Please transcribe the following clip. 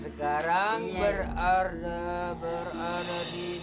kaka akan berdua beban parah sama tangan